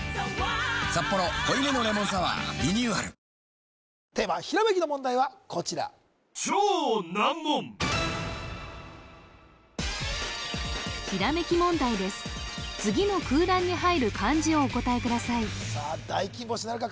「サッポロ濃いめのレモンサワー」リニューアルテーマひらめきの問題はこちら次の空欄に入る漢字をお答えくださいさあ大金星なるか？